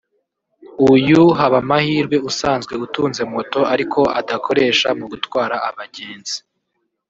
uyu Habamahirwe usanzwe utunze moto ariko adakoresha mu gutwara abagenzi